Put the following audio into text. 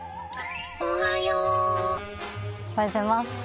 おはようございます。